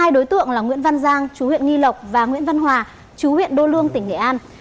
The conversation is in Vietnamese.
hai đối tượng là nguyễn văn giang chú huyện nghi lộc và nguyễn văn hòa chú huyện đô lương tỉnh nghệ an